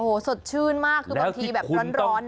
โอ้โหสดชื่นมากคือบางทีแบบร้อน